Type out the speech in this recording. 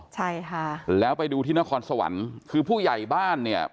ใช่ค่ะแล้วไปดูที่นครสวรรค์คือผู้ใหญ่บ้านเนี่ย